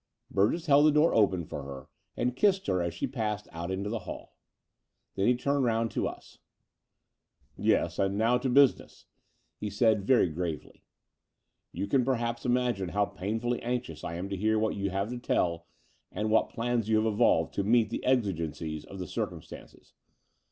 Burgess held the door open for her, and kissed her as she passed out into the hall. Then he turned round to us. '* Yes, and now to business, '' he said very gravely. "You can perhaps imagine how painfully anxious I am to hear what you have to tell, and what plans you have evolved to meet the exigencies of the circumstances.